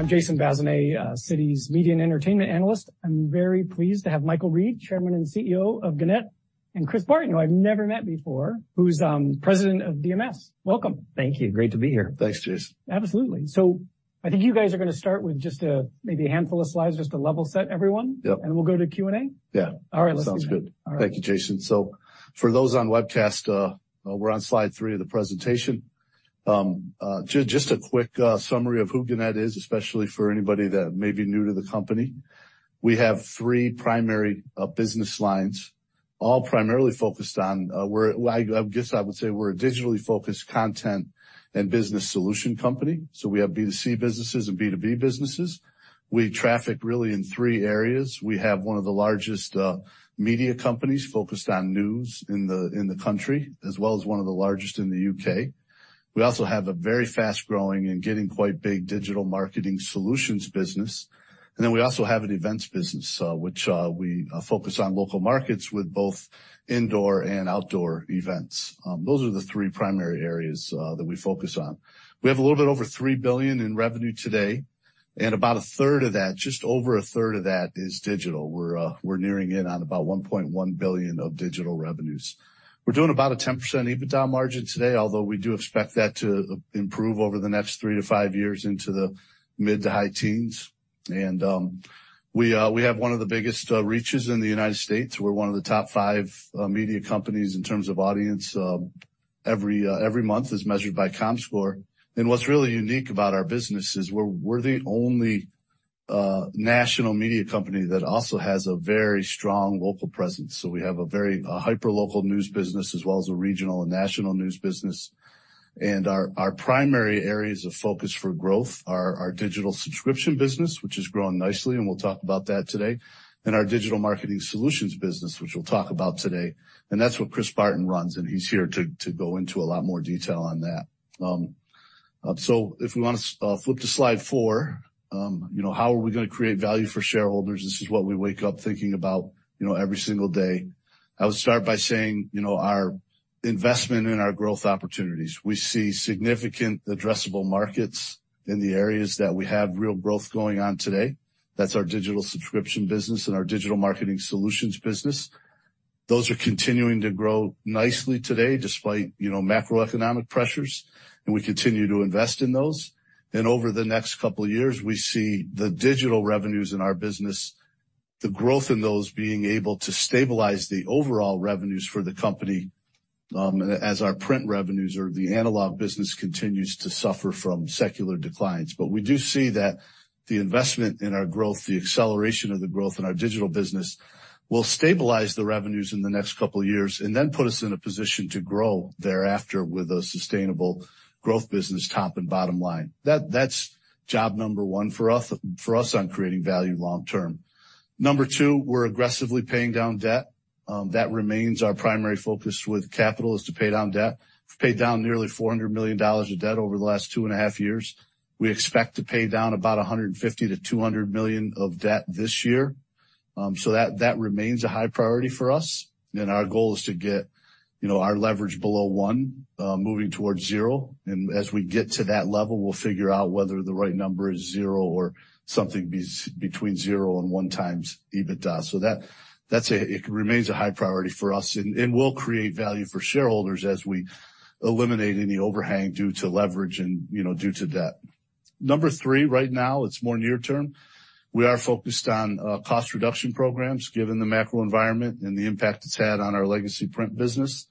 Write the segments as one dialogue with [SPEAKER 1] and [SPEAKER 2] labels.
[SPEAKER 1] I'm Jason Bazinet, Citi Media and Entertainment Analyst. I'm very pleased to have Mike Reed, Chairman and CEO of Gannett, and Kris Barton, who I've never met before, who's President of DMS. Welcome. Thank you. Great to be here.
[SPEAKER 2] Thanks, Jas.
[SPEAKER 1] Absolutely. I think you guys are gonna start with just, maybe a handful of slides just to level set everyone.
[SPEAKER 2] Yep.
[SPEAKER 1] We'll go to Q&A.
[SPEAKER 2] Yeah.
[SPEAKER 1] All right.
[SPEAKER 2] Sounds good.
[SPEAKER 1] All right.
[SPEAKER 2] Thank you, Jason. For those on webcast, we're on slide three of the presentation. Just a quick summary of who Gannett is, especially for anybody that may be new to the company. We have three primary business lines, all primarily focused on. Well, I guess I would say we're a digitally focused content and business solution company, so we have B2C businesses and B2B businesses. We traffic really in three areas. We have one of the largest media companies focused on news in the country, as well as one of the largest in the U.K. We also have a very fast-growing and getting quite big digital marketing solutions business. We also have an events business, which we focus on local markets with both indoor and outdoor events. Those are the three primary areas that we focus on. We have a little bit over $3 billion in revenue today, and about 1/3 of that, just over 1/3 of that is digital. We're nearing in on about $1.1 billion of digital revenues. We're doing about a 10% EBITDA margin today, although we do expect that to improve over the next three to five years into the mid- to high teens. We have one of the biggest reaches in the United States. We're one of the top five media companies in terms of audience every month as measured by Comscore. What's really unique about our business is we're the only national media company that also has a very strong local presence. We have a very hyperlocal news business as well as a regional and national news business. Our primary areas of focus for growth are our digital subscription business, which is growing nicely, and we'll talk about that today, and our digital marketing solutions business, which we'll talk about today. That's what Kris Barton runs, and he's here to go into a lot more detail on that. If we wanna flip to slide four. You know, how are we gonna create value for shareholders? This is what we wake up thinking about, you know, every single day. I would start by saying, you know, our investment and our growth opportunities. We see significant addressable markets in the areas that we have real growth going on today. That's our digital subscription business and our digital marketing solutions business. Those are continuing to grow nicely today despite, you know, macroeconomic pressures, and we continue to invest in those. Over the next couple of years, we see the digital revenues in our business, the growth in those being able to stabilize the overall revenues for the company, as our print revenues or the analog business continues to suffer from secular declines. We do see that the investment in our growth, the acceleration of the growth in our digital business, will stabilize the revenues in the next couple of years and then put us in a position to grow thereafter with a sustainable growth business, top and bottom line. That's job number one for us on creating value long term. Number two, we're aggressively paying down debt. That remains our primary focus with capital is to pay down debt. We've paid down nearly $400 million of debt over the last 2.5 years. We expect to pay down about $150 million-$200 million of debt this year. That remains a high priority for us. Our goal is to get, you know, our leverage below one, moving towards zero. As we get to that level, we'll figure out whether the right number is zero or something between zero and 1x EBITDA. That remains a high priority for us and will create value for shareholders as we eliminate any overhang due to leverage and, you know, due to debt. Number three, right now, it's more near term. We are focused on cost reduction programs given the macro environment and the impact it's had on our legacy print business.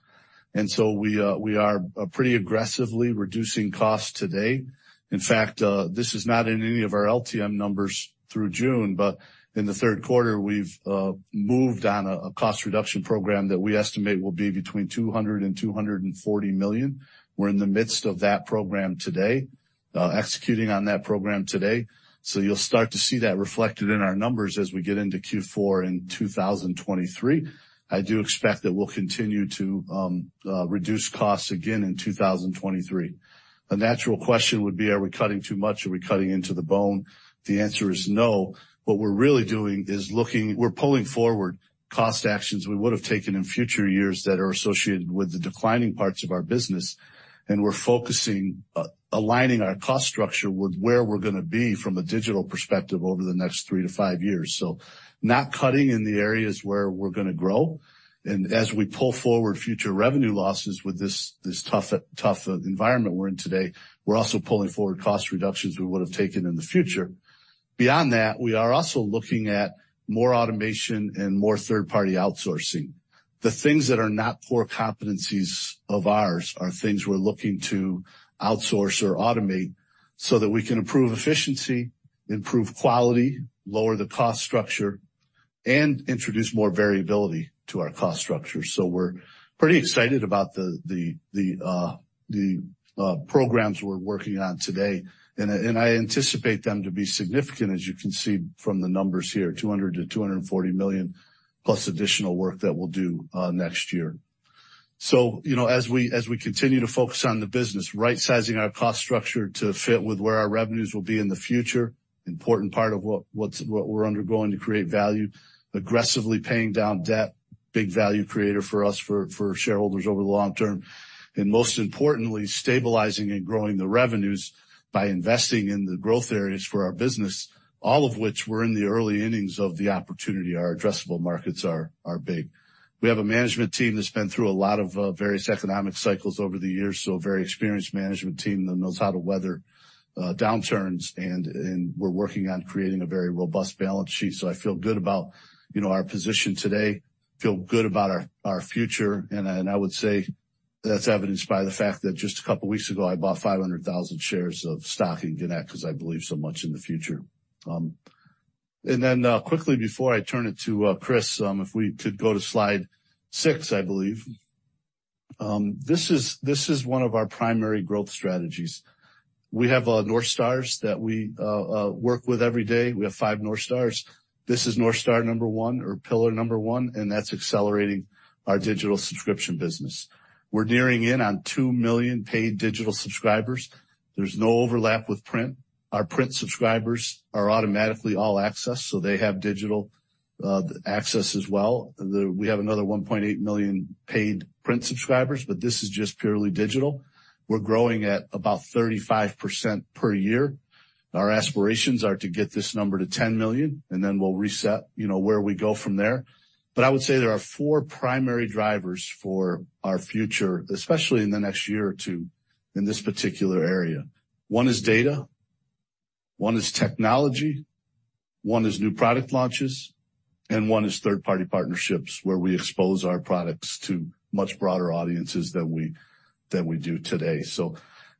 [SPEAKER 2] We are pretty aggressively reducing costs today. In fact, this is not in any of our LTM numbers through June, but in the Q3, we've moved on a cost reduction program that we estimate will be between $200 million and $240 million. We're in the midst of that program today, executing on that program today. You'll start to see that reflected in our numbers as we get into Q4 in 2023. I do expect that we'll continue to reduce costs again in 2023. The natural question would be, are we cutting too much? Are we cutting into the bone? The answer is no. What we're really doing is looking. We're pulling forward cost actions we would have taken in future years that are associated with the declining parts of our business, and we're focusing, aligning our cost structure with where we're gonna be from a digital perspective over the next three to five years. Not cutting in the areas where we're gonna grow. As we pull forward future revenue losses with this tough environment we're in today, we're also pulling forward cost reductions we would have taken in the future. Beyond that, we are also looking at more automation and more third-party outsourcing. The things that are not core competencies of ours are things we're looking to outsource or automate so that we can improve efficiency, improve quality, lower the cost structure, and introduce more variability to our cost structure. We're pretty excited about the programs we're working on today. I anticipate them to be significant, as you can see from the numbers here, $200 million-$240 million plus additional work that we'll do next year. You know, as we continue to focus on the business, right-sizing our cost structure to fit with where our revenues will be in the future, important part of what we're undergoing to create value, aggressively paying down debt. Big value creator for us for shareholders over the long term. Most importantly, stabilizing and growing the revenues by investing in the growth areas for our business, all of which we're in the early innings of the opportunity. Our addressable markets are big. We have a management team that's been through a lot of various economic cycles over the years, so a very experienced management team that knows how to weather downturns. We're working on creating a very robust balance sheet. I feel good about, you know, our position today. Feel good about our future. I would say that's evidenced by the fact that just a couple weeks ago, I bought 500,000 shares of stock in Gannett because I believe so much in the future. Quickly before I turn it to Kris, if we could go to slide six, I believe. This is one of our primary growth strategies. We have North Stars that we work with every day. We have five North Stars. This is North Star number one or pillar number one, and that's accelerating our digital subscription business. We're nearing in on 2 million paid digital subscribers. There's no overlap with print. Our print subscribers are automatically all access, so they have digital access as well. We have another 1.8 million paid print subscribers, but this is just purely digital. We're growing at about 35% per year. Our aspirations are to get this number to 10 million, and then we'll reset, you know, where we go from there. I would say there are four primary drivers for our future, especially in the next year or two in this particular area. One is data, one is technology, one is new product launches, and one is third-party partnerships where we expose our products to much broader audiences than we do today.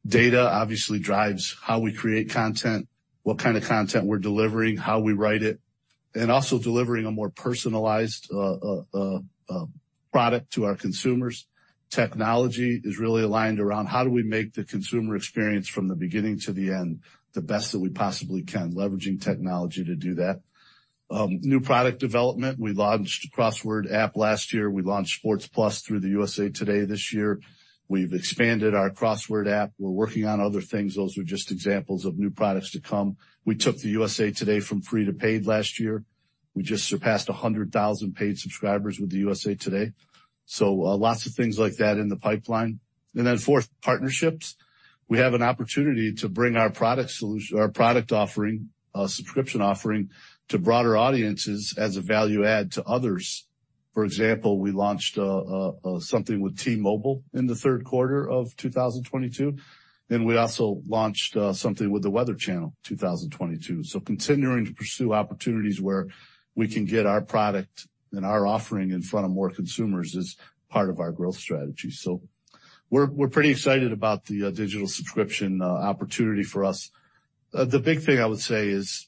[SPEAKER 2] Data obviously drives how we create content, what kind of content we're delivering, how we write it, and also delivering a more personalized product to our consumers. Technology is really aligned around how do we make the consumer experience from the beginning to the end the best that we possibly can, leveraging technology to do that. New product development. We launched a crossword app last year. We launched USA TODAY Sports+ this year. We've expanded our crossword app. We're working on other things. Those are just examples of new products to come. We took the USA TODAY from free to paid last year. We just surpassed 100,000 paid subscribers with the USA TODAY. Lots of things like that in the pipeline. Fourth, partnerships. We have an opportunity to bring our product offering, subscription offering to broader audiences as a value add to others. For example, we launched something with T-Mobile in the Q3 of 2022, and we also launched something with The Weather Channel, 2022. Continuing to pursue opportunities where we can get our product and our offering in front of more consumers is part of our growth strategy. We're pretty excited about the digital subscription opportunity for us. The big thing I would say is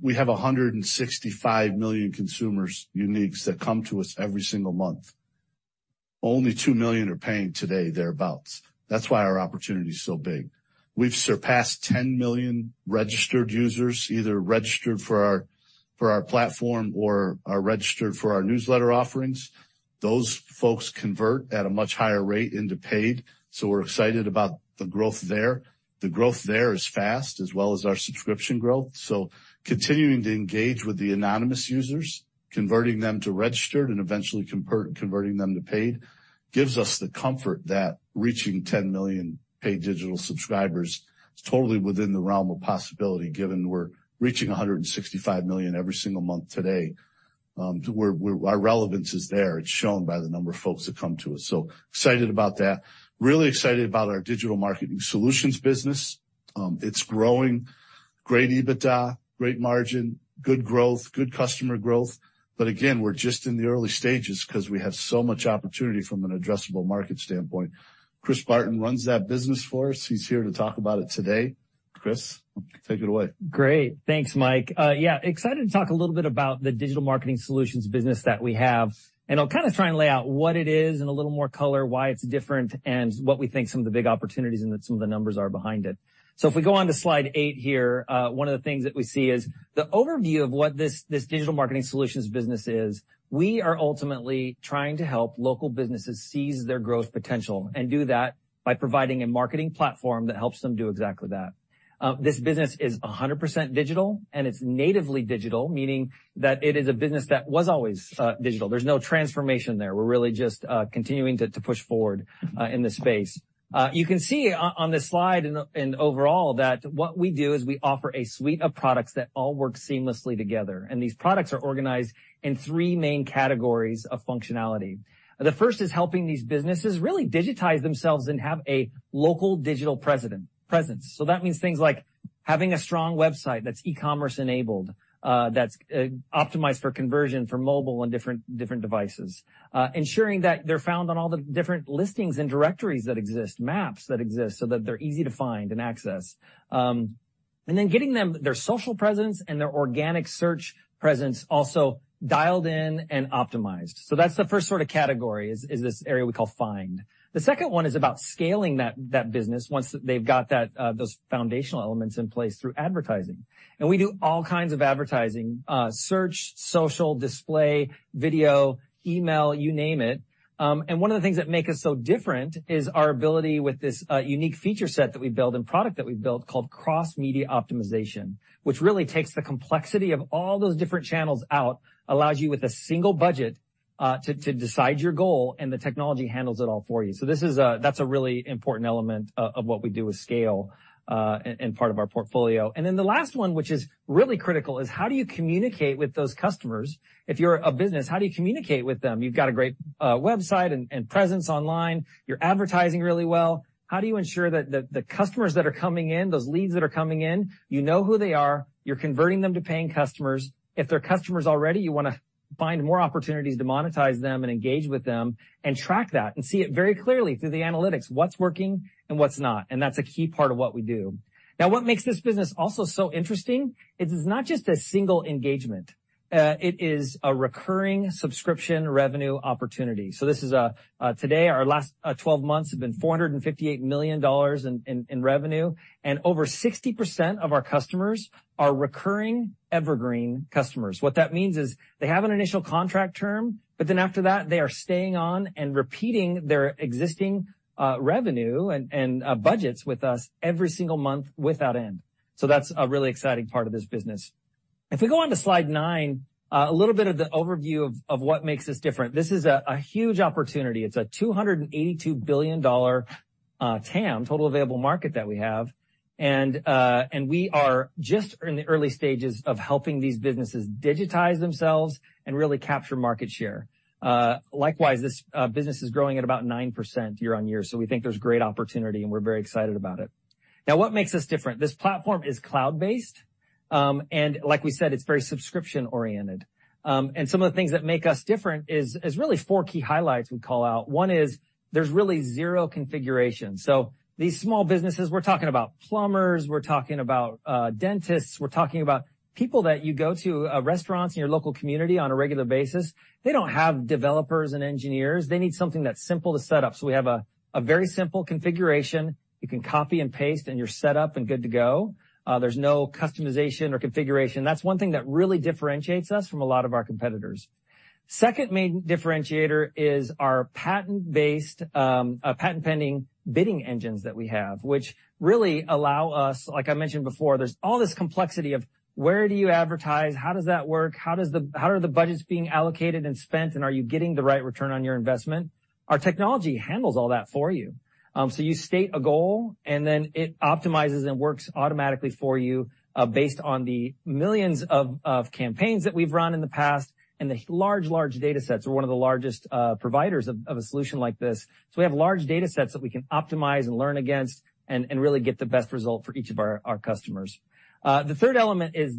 [SPEAKER 2] we have 165 million consumers, uniques, that come to us every single month. Only two million are paying today, thereabouts. That's why our opportunity is so big. We've surpassed 10 million registered users, either registered for our platform or are registered for our newsletter offerings. Those folks convert at a much higher rate into paid, so we're excited about the growth there. The growth there is fast as well as our subscription growth. Continuing to engage with the anonymous users, converting them to registered and eventually converting them to paid gives us the comfort that reaching 10 million paid digital subscribers is totally within the realm of possibility, given we're reaching 165 million every single month today. Our relevance is there. It's shown by the number of folks that come to us. Excited about that. Really excited about our digital marketing solutions business. It's growing. Great EBITDA, great margin, good growth, good customer growth. Again, we're just in the early stages 'cause we have so much opportunity from an addressable market standpoint. Kris Barton runs that business for us. He's here to talk about it today. Kris, take it away.
[SPEAKER 3] Great. Thanks, Mike. Yeah, excited to talk a little bit about the digital marketing solutions business that we have. I'll kind of try and lay out what it is in a little more color, why it's different, and what we think some of the big opportunities and then some of the numbers are behind it. If we go on to slide eight here, one of the things that we see is the overview of what this digital marketing solutions business is. We are ultimately trying to help local businesses seize their growth potential and do that by providing a marketing platform that helps them do exactly that. This business is 100% digital, and it's natively digital, meaning that it is a business that was always digital. There's no transformation there. We're really just continuing to push forward in this space. You can see on this slide and overall that what we do is we offer a suite of products that all work seamlessly together, and these products are organized in three main categories of functionality. The first is helping these businesses really digitize themselves and have a local digital presence. That means things like having a strong website that's e-commerce enabled, that's optimized for conversion for mobile and different devices. Ensuring that they're found on all the different listings and directories that exist, maps that exist, so that they're easy to find and access. And then getting them their social presence and their organic search presence also dialed in and optimized. That's the first sort of category is this area we call Find. The second one is about scaling that business once they've got that those foundational elements in place through advertising. We do all kinds of advertising, search, social, display, video, email, you name it. One of the things that make us so different is our ability with this unique feature set that we built and product that we built called Cross-Media Optimization, which really takes the complexity of all those different channels out, allows you with a single budget to decide your goal, and the technology handles it all for you. This is, that's a really important element of what we do with scale, and part of our portfolio. Then the last one, which is really critical, is how do you communicate with those customers? If you're a business, how do you communicate with them? You've got a great website and presence online. You're advertising really well. How do you ensure that the customers that are coming in, those leads that are coming in, you know who they are, you're converting them to paying customers. If they're customers already, you wanna find more opportunities to monetize them and engage with them and track that and see it very clearly through the analytics, what's working and what's not. That's a key part of what we do. Now, what makes this business also so interesting, it is not just a single engagement. It is a recurring subscription revenue opportunity. This is, today, our last 12 months have been $458 million in revenue, and over 60% of our customers are recurring evergreen customers. What that means is they have an initial contract term, but then after that, they are staying on and repeating their existing revenue and budgets with us every single month without end. That's a really exciting part of this business. If we go on to slide nine, a little bit of the overview of what makes us different. This is a huge opportunity. It's a $282 billion TAM, total available market that we have. We are just in the early stages of helping these businesses digitize themselves and really capture market share. Likewise, this business is growing at about 9% year-on-year. We think there's great opportunity, and we're very excited about it. Now, what makes us different? This platform is cloud-based, and like we said, it's very subscription-oriented. Some of the things that make us different is really four key highlights we call out. One is there's really zero configuration. These small businesses, we're talking about plumbers, we're talking about dentists. We're talking about people that you go to restaurants in your local community on a regular basis. They don't have developers and engineers. They need something that's simple to set up. We have a very simple configuration. You can copy and paste, and you're set up and good to go. There's no customization or configuration. That's one thing that really differentiates us from a lot of our competitors. Second main differentiator is our patent-based, patent-pending bidding engines that we have, which really allow us. Like I mentioned before, there's all this complexity of where do you advertise, how does that work, how are the budgets being allocated and spent, and are you getting the right return on your investment? Our technology handles all that for you. You state a goal, and then it optimizes and works automatically for you, based on the millions of campaigns that we've run in the past and the large datasets. We're one of the largest providers of a solution like this. We have large datasets that we can optimize and learn against and really get the best result for each of our customers. The third element is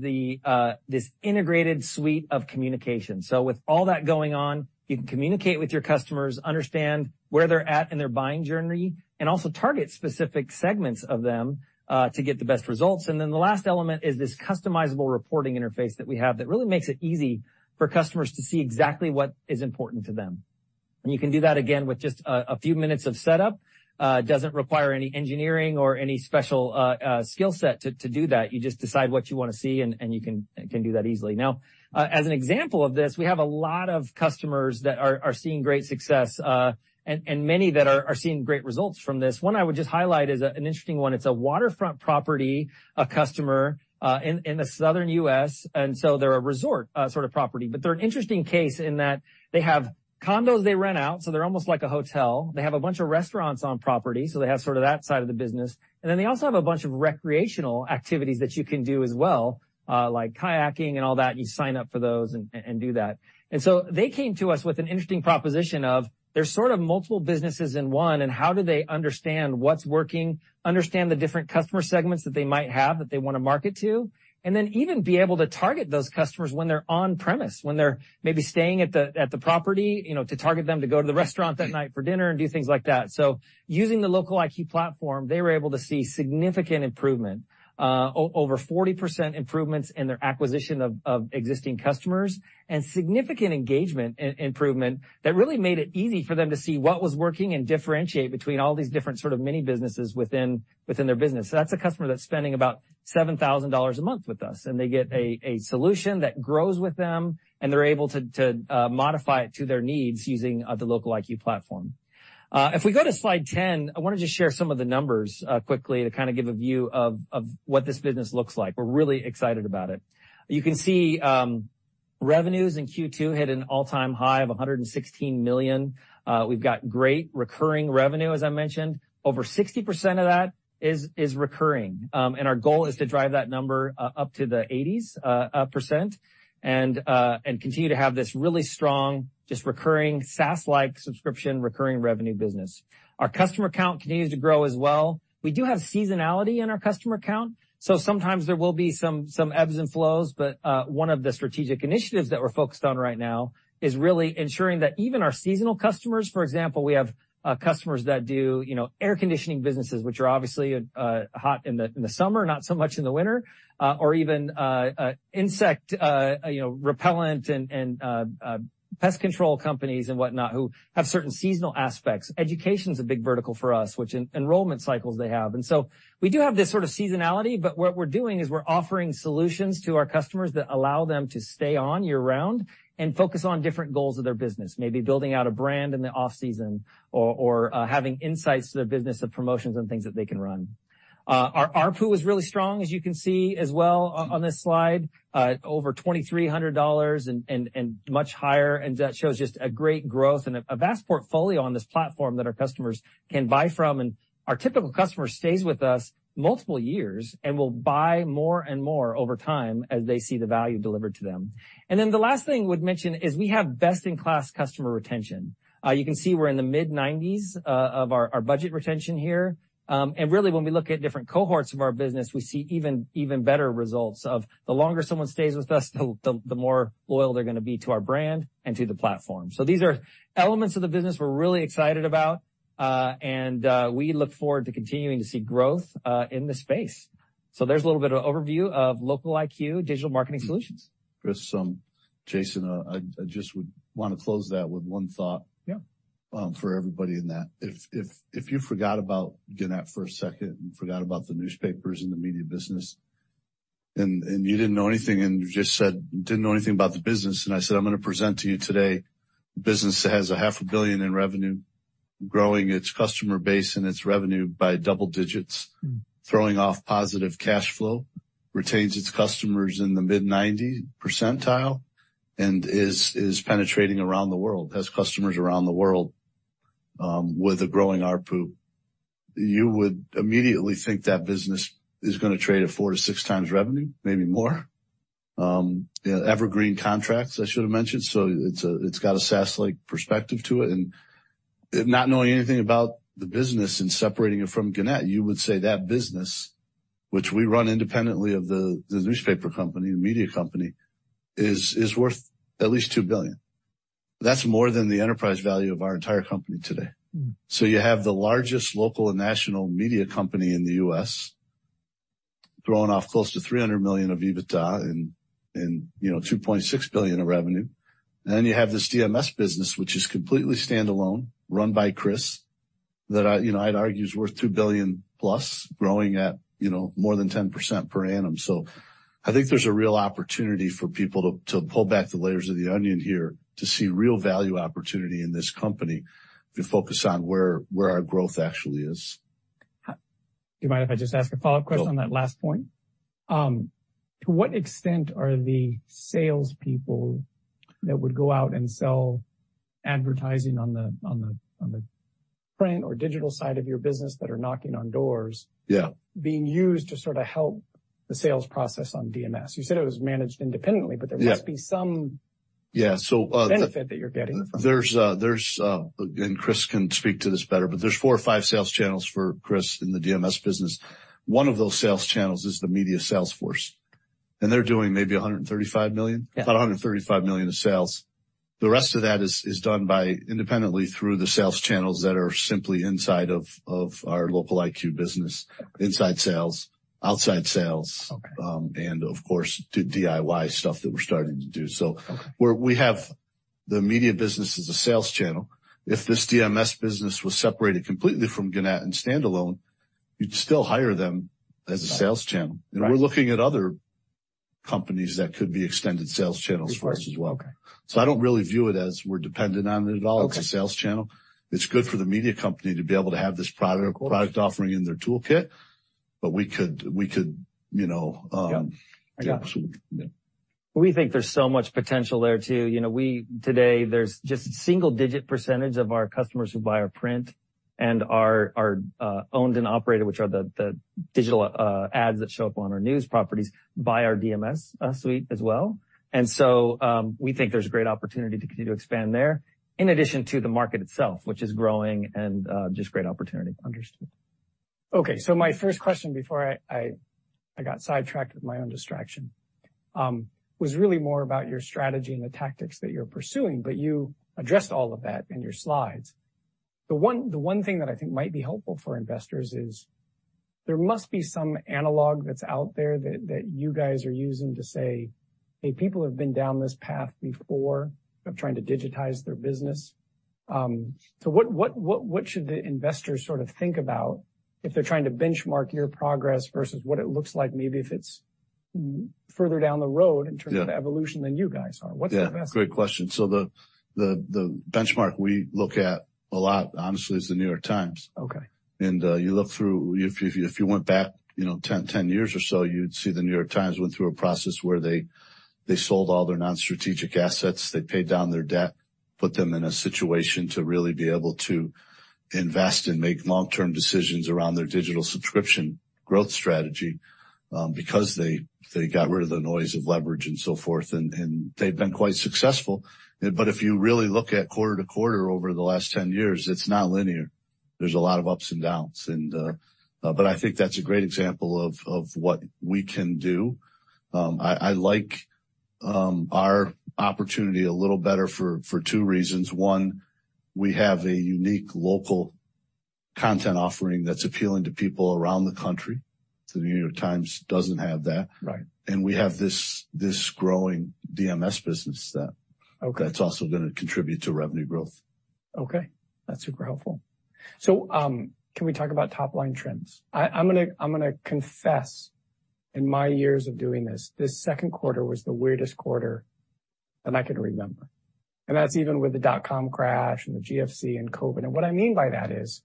[SPEAKER 3] this integrated suite of communication. With all that going on, you can communicate with your customers, understand where they're at in their buying journey, and also target specific segments of them to get the best results. Then the last element is this customizable reporting interface that we have that really makes it easy for customers to see exactly what is important to them. You can do that again with just a few minutes of setup. It doesn't require any engineering or any special skill set to do that. You just decide what you wanna see, and you can do that easily. Now, as an example of this, we have a lot of customers that are seeing great success, and many that are seeing great results from this. One I would just highlight is an interesting one. It's a waterfront property, a customer in the Southern U.S. They're a resort sort of property, but they're an interesting case in that they have condos they rent out, so they're almost like a hotel. They have a bunch of restaurants on property, so they have sort of that side of the business. They also have a bunch of recreational activities that you can do as well, like kayaking and all that. You sign up for those and do that. They came to us with an interesting proposition of, they're sort of multiple businesses in one, and how do they understand what's working, understand the different customer segments that they might have that they wanna market to, and then even be able to target those customers when they're on premise, when they're maybe staying at the property, you know, to target them to go to the restaurant that night for dinner and do things like that. Using the LocaliQ platform, they were able to see significant improvement over 40% improvements in their acquisition of existing customers and significant engagement improvement that really made it easy for them to see what was working and differentiate between all these different sort of mini businesses within their business. That's a customer that's spending about $7,000 a month with us, and they get a solution that grows with them, and they're able to modify it to their needs using the LocaliQ platform. If we go to slide 10, I wanna just share some of the numbers quickly to kind of give a view of what this business looks like. We're really excited about it. You can see. Revenues in Q2 hit an all-time high of $116 million. We've got great recurring revenue, as I mentioned. Over 60% of that is recurring. Our goal is to drive that number up to the 80s% and continue to have this really strong just recurring SaaS-like subscription recurring revenue business. Our customer count continues to grow as well. We do have seasonality in our customer count, so sometimes there will be some ebbs and flows. One of the strategic initiatives that we're focused on right now is really ensuring that even our seasonal customers. For example, we have customers that do, you know, air conditioning businesses, which are obviously hot in the summer, not so much in the winter, or even insect, you know, repellent and pest control companies and whatnot who have certain seasonal aspects. Education's a big vertical for us, which enrollment cycles they have. We do have this sort of seasonality, but what we're doing is we're offering solutions to our customers that allow them to stay on year-round and focus on different goals of their business. Maybe building out a brand in the off-season or having insights to their business of promotions and things that they can run. Our ARPU is really strong, as you can see as well on this slide. Over $2,300 and much higher. That shows just a great growth and a vast portfolio on this platform that our customers can buy from. Our typical customer stays with us multiple years and will buy more and more over time as they see the value delivered to them. Then the last thing I would mention is we have best-in-class customer retention. You can see we're in the mid-90s% of our budget retention here. Really, when we look at different cohorts of our business, we see even better results the longer someone stays with us, the more loyal they're gonna be to our brand and to the platform. These are elements of the business we're really excited about. We look forward to continuing to see growth in this space. There's a little bit of an overview of LocaliQ digital marketing solutions.
[SPEAKER 2] Kris, Jason, I just would want to close that with one thought.
[SPEAKER 3] Yeah.
[SPEAKER 2] If you forgot about Gannett for a second and forgot about the newspapers and the media business, and you didn't know anything and you just said you didn't know anything about the business, and I said, "I'm gonna present to you today a business that has $500 million in revenue, growing its customer base and its revenue by double digits, throwing off positive cash flow, retains its customers in the mid-nineties percentile, and is penetrating around the world, has customers around the world, with a growing ARPU," you would immediately think that business is gonna trade at 4x-6x revenue, maybe more. You know, evergreen contracts, I should have mentioned. So it's got a SaaS-like perspective to it. Not knowing anything about the business and separating it from Gannett, you would say that business, which we run independently of the newspaper company, the media company, is worth at least $2 billion. That's more than the enterprise value of our entire company today. You have the largest local and national media company in the U.S. throwing off close to $300 million of EBITDA and, you know, $2.6 billion of revenue. Then you have this DMS business, which is completely standalone, run by Kris, that I, you know, I'd argue is worth $2 billion-plus, growing at, you know, more than 10% per annum. I think there's a real opportunity for people to pull back the layers of the onion here to see real value opportunity in this company if you focus on where our growth actually is.
[SPEAKER 1] Do you mind if I just ask a follow-up question on that last point?
[SPEAKER 2] Sure.
[SPEAKER 1] To what extent are the salespeople that would go out and sell advertising on the print or digital side of your business that are knocking on doors?
[SPEAKER 2] Yeah.
[SPEAKER 1] Being used to sort of help the sales process on DMS? You said it was managed independently, but there must be some-
[SPEAKER 2] Yeah.
[SPEAKER 1] benefit that you're getting from it.
[SPEAKER 2] Again, Kris can speak to this better, but there's four or five sales channels for Kris in the DMS business. One of those sales channels is the media sales force, and they're doing maybe $135 million.
[SPEAKER 3] Yeah.
[SPEAKER 2] About $135 million of sales. The rest of that is done by independently through the sales channels that are simply inside of our LocaliQ business. Inside sales, outside sales.
[SPEAKER 1] Okay.
[SPEAKER 2] Of course, do DIY stuff that we're starting to do.
[SPEAKER 1] Okay.
[SPEAKER 2] We have the media business as a sales channel. If this DMS business was separated completely from Gannett and standalone, you'd still hire them as a sales channel.
[SPEAKER 1] Right.
[SPEAKER 2] We're looking at other companies that could be extended sales channels for us as well.
[SPEAKER 1] Okay.
[SPEAKER 2] I don't really view it as we're dependent on it at all.
[SPEAKER 1] Okay.
[SPEAKER 2] It's a sales channel. It's good for the media company to be able to have this product.
[SPEAKER 1] Of course.
[SPEAKER 2] Product offering in their toolkit, but we could, you know...
[SPEAKER 1] Yeah. I got it.
[SPEAKER 2] Yeah.
[SPEAKER 3] We think there's so much potential there too. You know, today there's just single-digit percentage of our customers who buy our print and are owned and operated, which are the digital ads that show up on our news properties, buy our DMS suite as well. We think there's a great opportunity to continue to expand there in addition to the market itself, which is growing and just great opportunity.
[SPEAKER 1] Understood. Okay. My first question before I got sidetracked with my own distraction was really more about your strategy and the tactics that you're pursuing, but you addressed all of that in your slides. The one thing that I think might be helpful for investors is there must be some analog that's out there that you guys are using to say, "Hey, people have been down this path before of trying to digitize their business." What should the investors sort of think about if they're trying to benchmark your progress versus what it looks like maybe if it's further down the road?
[SPEAKER 2] Yeah.
[SPEAKER 1] In terms of evolution than you guys are? What's the best?
[SPEAKER 2] Yeah. Great question. The benchmark we look at a lot, honestly, is The New York Times.
[SPEAKER 1] Okay.
[SPEAKER 2] You look through. If you went back, you know, 10 years or so, you'd see The New York Times went through a process where they sold all their non-strategic assets. They paid down their debt. Put them in a situation to really be able to invest and make long-term decisions around their digital subscription growth strategy, because they got rid of the noise of leverage and so forth, they've been quite successful. If you really look at quarter to quarter over the last 10 years, it's not linear. There's a lot of ups and downs, but I think that's a great example of what we can do. I like our opportunity a little better for two reasons. One, we have a unique local content offering that's appealing to people around the country. The New York Times doesn't have that.
[SPEAKER 1] Right.
[SPEAKER 2] We have this growing DMS business that
[SPEAKER 1] Okay.
[SPEAKER 2] That's also gonna contribute to revenue growth.
[SPEAKER 1] Okay, that's super helpful. Can we talk about top-line trends? I'm gonna confess, in my years of doing this Q2 was the weirdest quarter that I can remember. That's even with the dotcom crash and the GFC and COVID. What I mean by that is,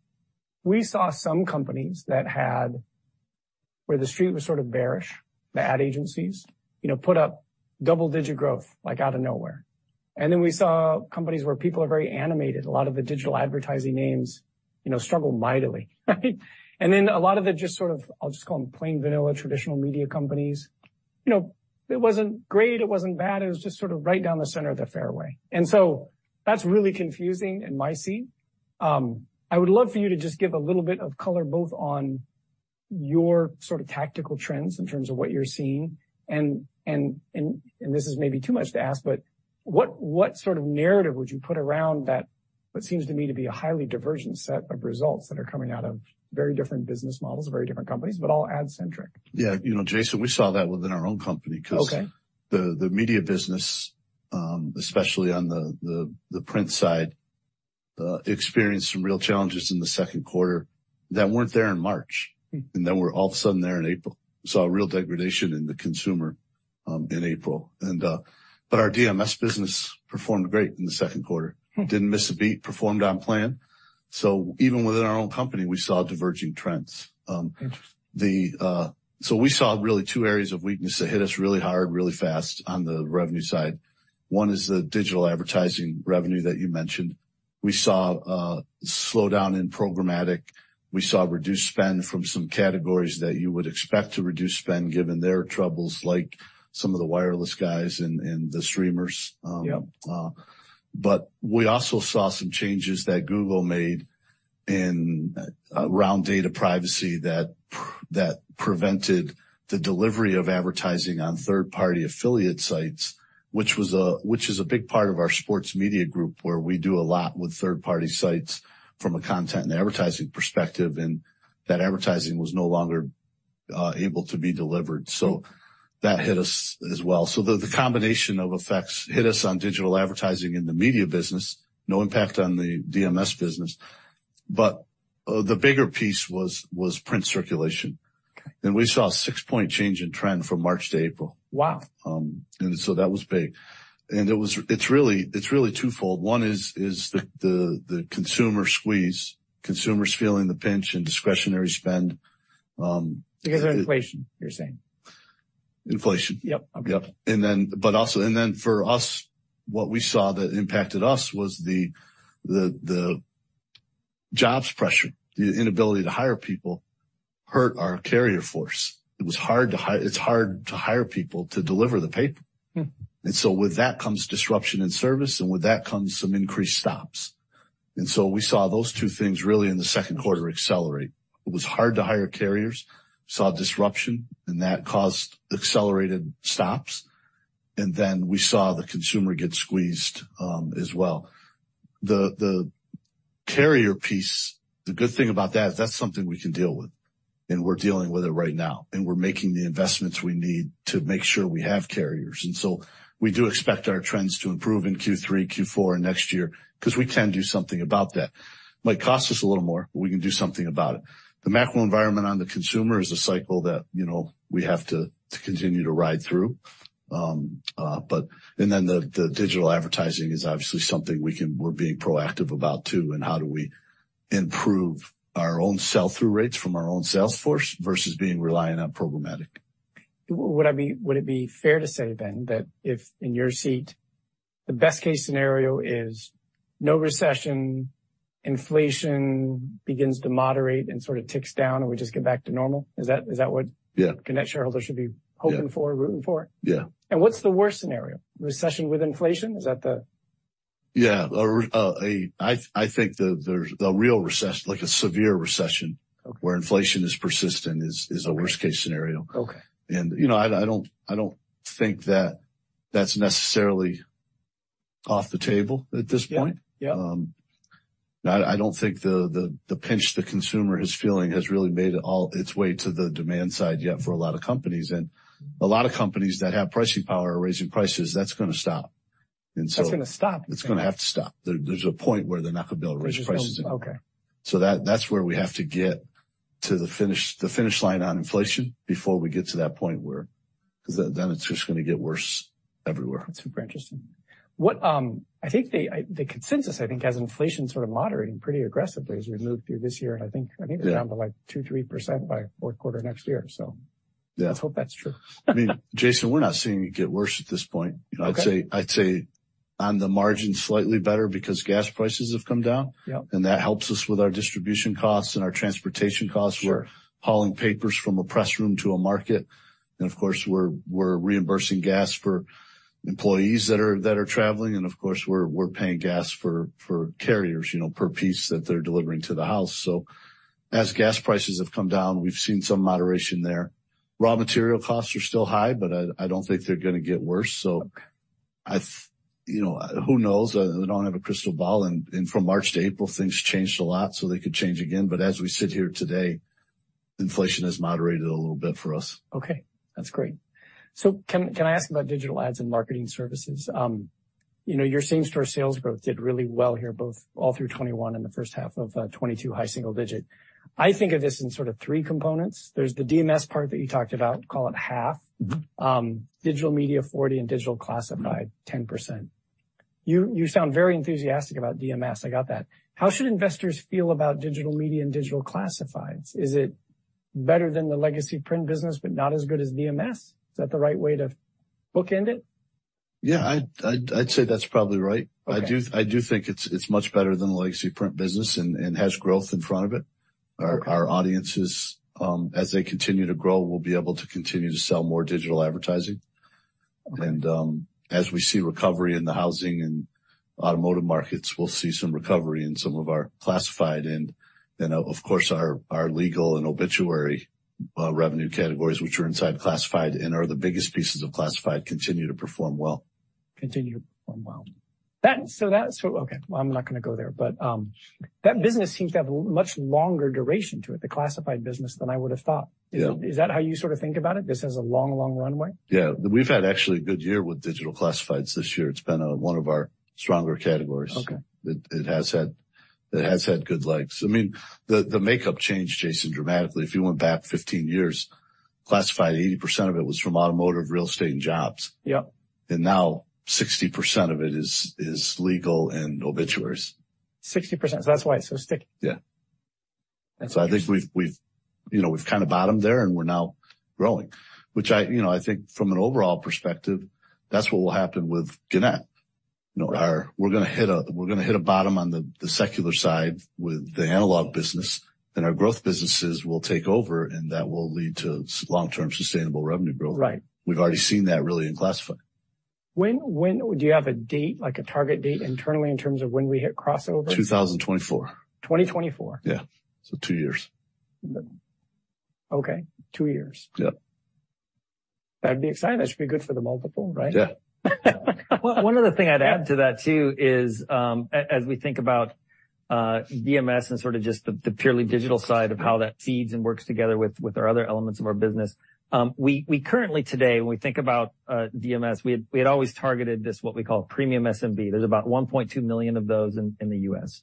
[SPEAKER 1] we saw some companies where the street was sort of bearish, the ad agencies, you know, put up double-digit growth, like, out of nowhere. Then we saw companies where people are very animated, a lot of the digital advertising names, you know, struggle mightily, right? Then a lot of the just sort of, I'll just call them plain vanilla, traditional media companies. You know, it wasn't great, it wasn't bad, it was just sort of right down the center of the fairway. That's really confusing in my seat. I would love for you to just give a little bit of color both on your sort of tactical trends in terms of what you're seeing and this is maybe too much to ask, but what sort of narrative would you put around that what seems to me to be a highly divergent set of results that are coming out of very different business models, very different companies, but all ad-centric?
[SPEAKER 2] Yeah. You know, Jason, we saw that within our own company 'cause.
[SPEAKER 1] Okay.
[SPEAKER 2] The media business, especially on the print side, experienced some real challenges in the Q2 that weren't there in March.
[SPEAKER 1] Mm.
[SPEAKER 2] That were all of a sudden there in April. We saw a real degradation in the consumer, in April. our DMS business performed great in the Q2.
[SPEAKER 1] Mm.
[SPEAKER 2] Didn't miss a beat, performed on plan. Even within our own company, we saw diverging trends.
[SPEAKER 1] Interesting.
[SPEAKER 2] We saw really two areas of weakness that hit us really hard, really fast on the revenue side. One is the digital advertising revenue that you mentioned. We saw a slowdown in programmatic. We saw reduced spend from some categories that you would expect to reduce spend given their troubles, like some of the wireless guys and the streamers.
[SPEAKER 1] Yep.
[SPEAKER 2] We also saw some changes that Google made around data privacy that prevented the delivery of advertising on third-party affiliate sites, which is a big part of our sports media group, where we do a lot with third-party sites from a content and advertising perspective, and that advertising was no longer able to be delivered. That hit us as well. The combination of effects hit us on digital advertising in the media business. No impact on the DMS business. The bigger piece was print circulation.
[SPEAKER 1] Okay.
[SPEAKER 2] We saw a six-point change in trend from March to April.
[SPEAKER 1] Wow.
[SPEAKER 2] That was big. It's really twofold. One is the consumer squeeze. Consumer's feeling the pinch in discretionary spend.
[SPEAKER 1] Because of inflation, you're saying?
[SPEAKER 2] Inflation.
[SPEAKER 1] Yep. Okay.
[SPEAKER 2] Yep. For us, what we saw that impacted us was the jobs pressure, the inability to hire people hurt our carrier force. It's hard to hire people to deliver the paper.
[SPEAKER 1] Mm.
[SPEAKER 2] With that comes disruption in service, and with that comes some increased stops. We saw those two things really in the Q2 accelerate. It was hard to hire carriers, saw disruption, and that caused accelerated stops. We saw the consumer get squeezed, as well. The carrier piece, the good thing about that is that's something we can deal with, and we're dealing with it right now, and we're making the investments we need to make sure we have carriers. We do expect our trends to improve in Q3, Q4, and next year, 'cause we can do something about that. Might cost us a little more, but we can do something about it. The macro environment on the consumer is a cycle that, you know, we have to to continue to ride through. The digital advertising is obviously something we're being proactive about too, and how do we improve our own sell-through rates from our own sales force versus being reliant on programmatic.
[SPEAKER 1] Would it be fair to say then that if, in your seat, the best-case scenario is no recession, inflation begins to moderate and sort of ticks down, and we just get back to normal? Is that, is that what?
[SPEAKER 2] Yeah.
[SPEAKER 1] Gannett shareholders should be hoping for?
[SPEAKER 2] Yeah.
[SPEAKER 1] Rooting for?
[SPEAKER 2] Yeah.
[SPEAKER 1] What's the worst scenario? Recession with inflation? Is that the?...
[SPEAKER 2] Yeah. I think the real recession like a severe recession.
[SPEAKER 1] Okay.
[SPEAKER 2] Where inflation is persistent is a worst-case scenario.
[SPEAKER 1] Okay.
[SPEAKER 2] You know, I don't think that that's necessarily off the table at this point.
[SPEAKER 1] Yeah. Yeah.
[SPEAKER 2] I don't think the pinch the consumer is feeling has really made it all its way to the demand side yet for a lot of companies. A lot of companies that have pricing power are raising prices. That's gonna stop.
[SPEAKER 1] That's gonna stop?
[SPEAKER 2] It's gonna have to stop. There's a point where they're not gonna be able to raise prices anymore.
[SPEAKER 1] Okay.
[SPEAKER 2] That's where we have to get to the finish line on inflation before we get to that point where 'cause then it's just gonna get worse everywhere.
[SPEAKER 1] That's super interesting. I think the consensus has inflation sort of moderating pretty aggressively as we move through this year, and I think.
[SPEAKER 2] Yeah.
[SPEAKER 1] I think it's down to, like, 2%-3% by Q4 next year. So?
[SPEAKER 2] Yeah.
[SPEAKER 1] Let's hope that's true.
[SPEAKER 2] I mean, Jason, we're not seeing it get worse at this point.
[SPEAKER 1] Okay.
[SPEAKER 2] You know, I'd say on the margin, slightly better because gas prices have come down.
[SPEAKER 1] Yeah.
[SPEAKER 2] That helps us with our distribution costs and our transportation costs.
[SPEAKER 1] Sure.
[SPEAKER 2] We're hauling papers from a press room to a market, and of course, we're reimbursing gas for employees that are traveling, and of course, we're paying gas for carriers, you know, per piece that they're delivering to the house. As gas prices have come down, we've seen some moderation there. Raw material costs are still high, but I don't think they're gonna get worse.
[SPEAKER 1] Okay.
[SPEAKER 2] You know, who knows? I don't have a crystal ball, and from March to April, things changed a lot, so they could change again. As we sit here today, inflation has moderated a little bit for us.
[SPEAKER 1] Okay, that's great. Can I ask about digital ads and marketing services? You know, your same-store sales growth did really well here, both all through 2021 and the first half of 2022, high single digit. I think of this in sort of three components. There's the DMS part that you talked about, call it half.
[SPEAKER 2] Mm-hmm.
[SPEAKER 1] Digital media 40%, and digital classified 10%. You sound very enthusiastic about DMS. I got that. How should investors feel about digital media and digital classifieds? Is it better than the legacy print business but not as good as DMS? Is that the right way to bookend it?
[SPEAKER 2] Yeah, I'd say that's probably right.
[SPEAKER 1] Okay.
[SPEAKER 2] I do think it's much better than the legacy print business and has growth in front of it.
[SPEAKER 1] Okay.
[SPEAKER 2] Our audiences, as they continue to grow, we'll be able to continue to sell more digital advertising.
[SPEAKER 1] Okay.
[SPEAKER 2] As we see recovery in the housing and automotive markets, we'll see some recovery in some of our classified and, of course, our legal and obituary revenue categories, which are inside classified and are the biggest pieces of classified, continue to perform well.
[SPEAKER 1] Continue to perform well. Okay, well, I'm not gonna go there, but that business seems to have a much longer duration to it, the classified business, than I would have thought.
[SPEAKER 2] Yeah.
[SPEAKER 1] Is that how you sort of think about it, this has a long, long runway?
[SPEAKER 2] Yeah. We've had actually a good year with digital classifieds this year. It's been one of our stronger categories.
[SPEAKER 1] Okay.
[SPEAKER 2] It has had good legs. I mean, the makeup changed, Jason, dramatically. If you went back 15 years, classified, 80% of it was from automotive, real estate, and jobs.
[SPEAKER 1] Yep.
[SPEAKER 2] Now 60% of it is legal and obituaries.
[SPEAKER 1] 60%, so that's why it's so sticky.
[SPEAKER 2] Yeah.
[SPEAKER 1] That's why.
[SPEAKER 2] I think we've, you know, kind of bottomed there, and we're now growing. Which, you know, I think from an overall perspective, that's what will happen with Gannett. You know, we're gonna hit a bottom on the secular side with the analog business, then our growth businesses will take over, and that will lead to long-term sustainable revenue growth.
[SPEAKER 1] Right.
[SPEAKER 2] We've already seen that really in classified.
[SPEAKER 1] When do you have a date, like a target date internally in terms of when we hit crossover?
[SPEAKER 2] 2024.
[SPEAKER 1] 2024?
[SPEAKER 2] Yeah, two years.
[SPEAKER 1] Okay, two years.
[SPEAKER 2] Yeah.
[SPEAKER 1] That'd be exciting. That should be good for the multiple, right?
[SPEAKER 2] Yeah.
[SPEAKER 3] One other thing I'd add to that too is, as we think about DMS and sort of just the purely digital side of how that feeds and works together with our other elements of our business, we currently today, when we think about DMS, we had always targeted this what we call premium SMB. There's about 1.2 million of those in the U.S.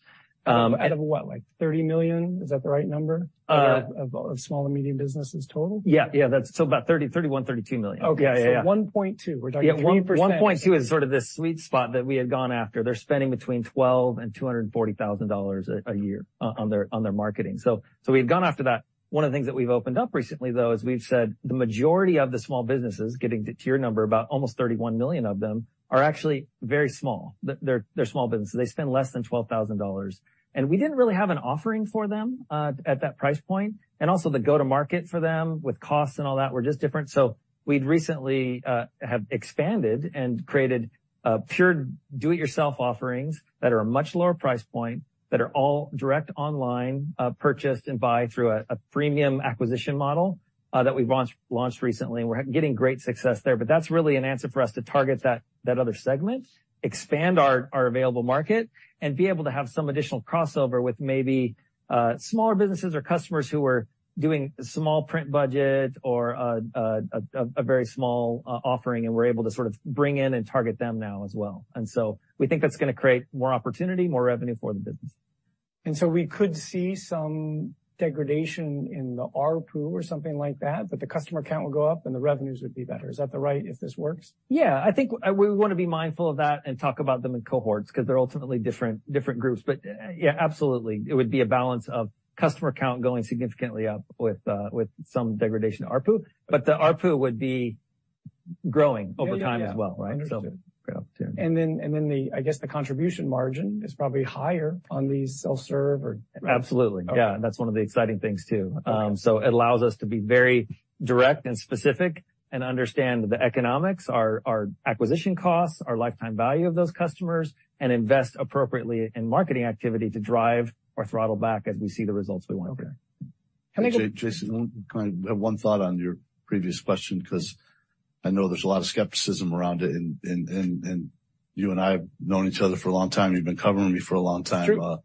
[SPEAKER 1] Out of what? Like 30 million? Is that the right number of small and medium businesses total?
[SPEAKER 3] Yeah. Yeah, that's still about 30 million, 31 million, 32 million.
[SPEAKER 1] Okay.
[SPEAKER 3] Yeah, yeah.
[SPEAKER 1] 1.2 million. We're talking 3%.
[SPEAKER 3] Yeah, 1.2 million is sort of this sweet spot that we had gone after. They're spending between $12,000 and $240,000 a year on their marketing. We've gone after that. One of the things that we've opened up recently, though, is we've said the majority of the small businesses, getting to your number, about almost 31 million of them, are actually very small. They're small businesses. They spend less than $12,000. We didn't really have an offering for them at that price point. Also the go-to-market for them with costs and all that were just different. We'd recently have expanded and created pure do it yourself offerings that are a much lower price point, that are all direct online purchased and buy through a premium acquisition model that we've launched recently. We're getting great success there, but that's really an answer for us to target that other segment, expand our available market, and be able to have some additional crossover with maybe smaller businesses or customers who are doing small print budget or a very small offering, and we're able to sort of bring in and target them now as well. We think that's gonna create more opportunity, more revenue for the business.
[SPEAKER 1] We could see some degradation in the ARPU or something like that, but the customer count will go up, and the revenues would be better. Is that right if this works?
[SPEAKER 3] Yeah. I think we wanna be mindful of that and talk about them in cohorts, 'cause they're ultimately different groups. But yeah, absolutely. It would be a balance of customer count going significantly up with some degradation to ARPU, but the ARPU would be growing over time as well, right?
[SPEAKER 1] Yeah, yeah. Understood.
[SPEAKER 3] Great opportunity.
[SPEAKER 1] I guess the contribution margin is probably higher on these self-serve or...
[SPEAKER 3] Absolutely.
[SPEAKER 1] Okay.
[SPEAKER 3] Yeah, that's one of the exciting things too.
[SPEAKER 1] Okay.
[SPEAKER 3] It allows us to be very direct and specific and understand the economics, our acquisition costs, our lifetime value of those customers, and invest appropriately in marketing activity to drive or throttle back as we see the results we want there.
[SPEAKER 1] Okay. Can I get?
[SPEAKER 2] Jason, can I have one thought on your previous question? 'Cause I know there's a lot of skepticism around it, and you and I have known each other for a long time. You've been covering me for a long time.
[SPEAKER 1] Sure.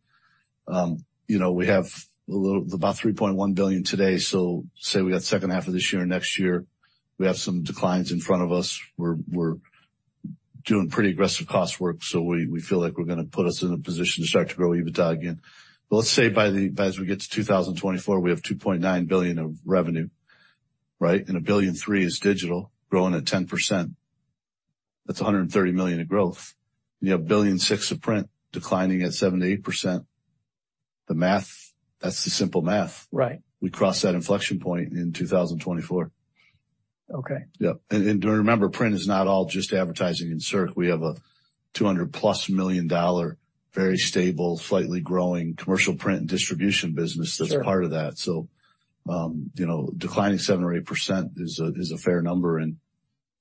[SPEAKER 2] You know, we have about $3.1 billion today. So say we got second half of this year, next year, we have some declines in front of us. We're doing pretty aggressive cost work, so we feel like we're gonna put us in a position to start to grow EBITDA again. But let's say by the, as we get to 2024, we have $2.9 billion of revenue, right? And $1.3 billion is digital growing at 10%. That's $130 million of growth. You have $1.6 billion of print declining at 7%-8%. The math. That's the simple math.
[SPEAKER 1] Right.
[SPEAKER 2] We crossed that inflection point in 2024.
[SPEAKER 1] Okay.
[SPEAKER 2] Remember, print is not all just advertising insert. We have a $200 million+, very stable, slightly growing commercial print and distribution business.
[SPEAKER 1] Sure.
[SPEAKER 2] That's part of that. You know, declining 7%-8% is a fair number, and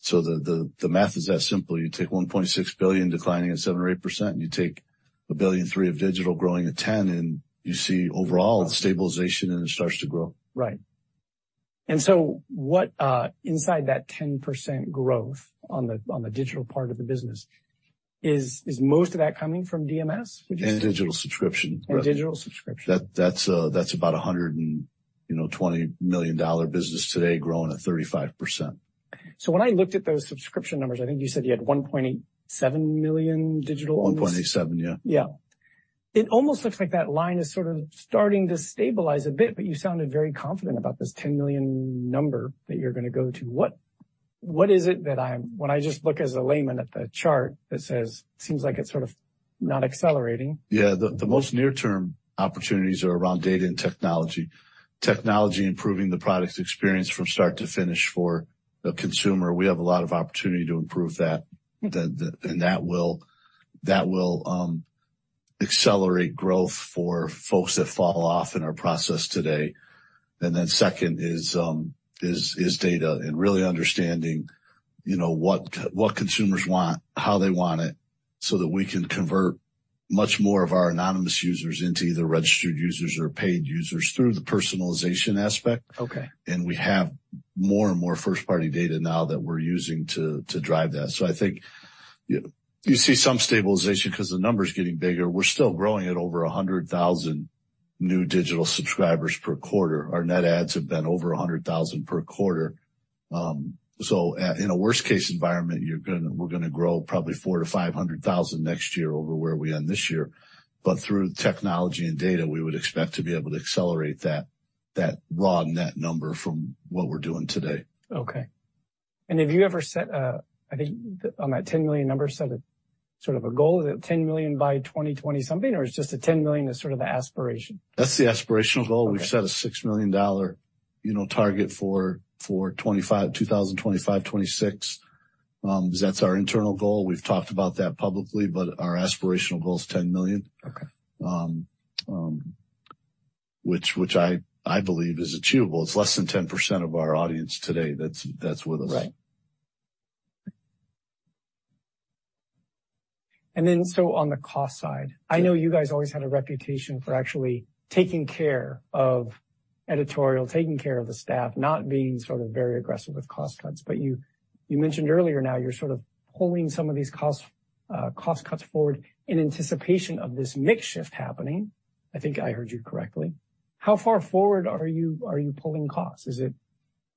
[SPEAKER 2] so the math is that simple. You take $1.6 billion declining at 7%-8%, and you take $1.3 billion of digital growing at 10%, and you see overall a stabilization and it starts to grow.
[SPEAKER 1] Right. What, inside that 10% growth on the digital part of the business, is most of that coming from DMS? Which is-
[SPEAKER 2] Digital subscription revenue.
[SPEAKER 1] Digital subscription.
[SPEAKER 2] That's about $120 million business today growing at 35%.
[SPEAKER 1] When I looked at those subscription numbers, I think you said you had 1.87 million digital-
[SPEAKER 2] 1.87 million, yeah.
[SPEAKER 1] Yeah. It almost looks like that line is sort of starting to stabilize a bit, but you sounded very confident about this 10 million number that you're gonna go to. What is it that I'm, when I just look as a layman at the chart that says, seems like it's sort of not accelerating.
[SPEAKER 2] Yeah. The most near-term opportunities are around data and technology. Technology improving the product experience from start to finish for a consumer. We have a lot of opportunity to improve that. That will accelerate growth for folks that fall off in our process today. Then second is data and really understanding, you know, what consumers want, how they want it, so that we can convert much more of our anonymous users into either registered users or paid users through the personalization aspect.
[SPEAKER 1] Okay.
[SPEAKER 2] We have more and more first-party data now that we're using to drive that. I think you see some stabilization 'cause the number's getting bigger. We're still growing at over 100,000 new digital subscribers per quarter. Our net adds have been over 100,000 per quarter. In a worst case environment, we're gonna grow probably 400,000-500,000 next year over where we end this year. Through technology and data, we would expect to be able to accelerate that raw net number from what we're doing today.
[SPEAKER 1] Okay. Have you ever, I think on that 10 million number, set a sort of goal that 10 million by 2020-something, or is it just that 10 million is sort of the aspiration?
[SPEAKER 2] That's the aspirational goal.
[SPEAKER 1] Okay.
[SPEAKER 2] We've set a $6 million, you know, target for 2025, 2026, 'cause that's our internal goal. We've talked about that publicly, but our aspirational goal is $10 million.
[SPEAKER 1] Okay.
[SPEAKER 2] Which I believe is achievable. It's less than 10% of our audience today that's with us.
[SPEAKER 1] Right. On the cost side.
[SPEAKER 2] Yeah.
[SPEAKER 1] I know you guys always had a reputation for actually taking care of editorial, taking care of the staff, not being sort of very aggressive with cost cuts. You mentioned earlier now you're sort of pulling some of these costs, cost cuts forward in anticipation of this mix shift happening. I think I heard you correctly. How far forward are you pulling costs? Is it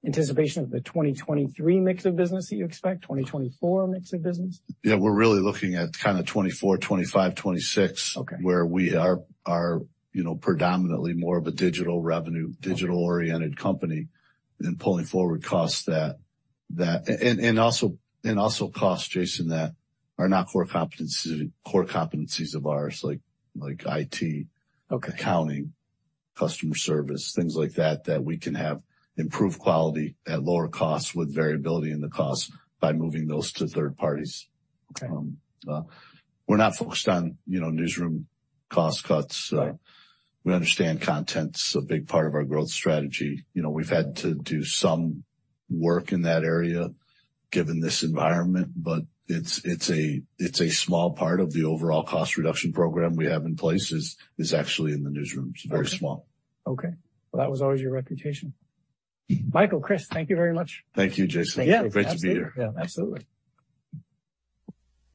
[SPEAKER 1] anticipation of the 2023 mix of business that you expect? 2024 mix of business?
[SPEAKER 2] Yeah. We're really looking at kinda 2024, 2025, 2026.
[SPEAKER 1] Okay.
[SPEAKER 2] Where we are, you know, predominantly more of a digital revenue, digital-oriented company and pulling forward costs that and also costs, Jason, that are not core competencies of ours, like IT.
[SPEAKER 1] Okay.
[SPEAKER 2] Accounting, customer service, things like that we can have improved quality at lower costs with variability in the costs by moving those to third parties.
[SPEAKER 1] Okay.
[SPEAKER 2] We're not focused on, you know, newsroom cost cuts. We understand content's a big part of our growth strategy. You know, we've had to do some work in that area given this environment, but it's a small part of the overall cost reduction program we have in place is actually in the newsroom. It's very small.
[SPEAKER 1] Okay. Well, that was always your reputation. Michael, Kris, thank you very much.
[SPEAKER 2] Thank you, Jason.
[SPEAKER 1] Yeah.
[SPEAKER 2] Great to be here.
[SPEAKER 1] Yeah, absolutely.